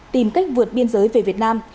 tìm cách vượt biên giới về việt nam